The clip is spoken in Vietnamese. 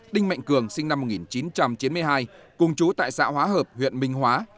đinh mạnh cường sinh năm một nghìn chín trăm chín mươi hai cùng chú tại xã hóa hợp huyện minh hóa